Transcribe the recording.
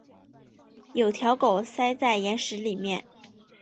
有条狗塞在岩石里面